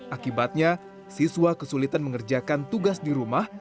akibatnya siswa kesulitan mengerjakan tugas di rumah